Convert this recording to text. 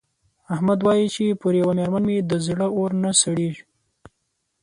احمد وايې چې پر یوه مېرمن مې د زړه اور نه سړېږي.